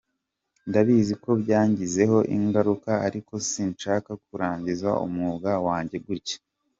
Ndabizi ko byangizeho ingaruka ariko sinshaka kurangiza umwuga wanjye gutya.